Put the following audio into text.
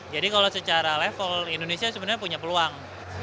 kalau secara level indonesia sebenarnya punya peluang